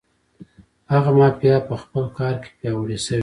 هغه مافیا په خپل کار کې پیاوړې شوې ده.